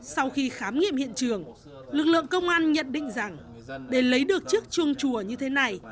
sau khi khám nghiệm hiện trường lực lượng công an nhận định rằng để lấy được chiếc chuông chùa như thế này